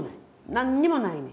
何にもないねん。